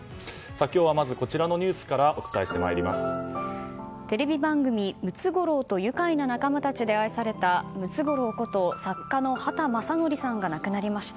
今日はまずこちらのニュースからテレビ番組「ムツゴロウとゆかいな仲間たち」で愛されたムツゴロウこと作家の畑正憲さんが亡くなりました。